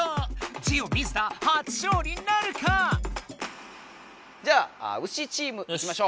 ジオ水田初勝利なるか⁉じゃあウシチームいきましょう。